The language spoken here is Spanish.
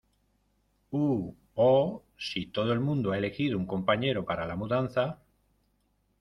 ¿ Uh, oh , sí todo el mundo ha elegido un compañero para la mudanza?